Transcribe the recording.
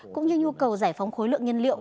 cũng như nhu cầu giải phóng khối lượng nhân liệu